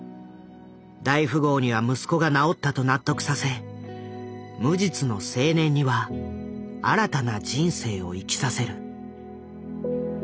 大富豪には息子が治ったと納得させ無実の青年には新たな人生を生きさせる。